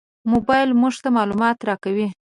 موبایل موږ ته معلومات راکوي.